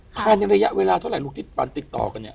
ผมทำปลายในระยะเวลาเท่าไหร่ลูกติดฟันติดต่อกันฮะ